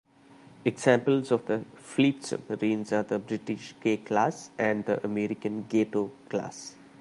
Examples of fleet submarines are the British K class and the American "Gato" class.